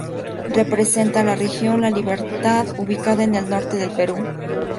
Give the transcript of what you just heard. Representa a la región La Libertad ubicada en el norte del Perú.